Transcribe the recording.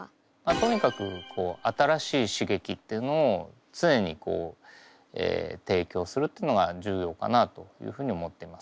とにかく新しい刺激っていうのを常に提供するっていうのが重要かなというふうに思っています。